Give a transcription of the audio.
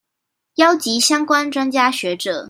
邀集相關專家學者